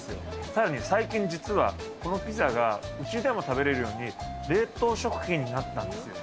さらに、最近、実はこのピザがうちでも食べれるように、冷凍食品になったんですよ。